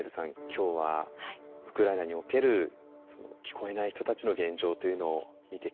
今日はウクライナにおける聞こえない人たちの現状というのを見てきました。